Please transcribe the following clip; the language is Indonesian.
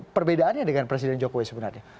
perbedaannya dengan presiden jokowi sebenarnya